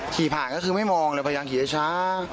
ขี่ผ่านก็คือไม่มองเลยพยายามขี่ช้า